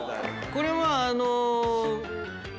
これはあの。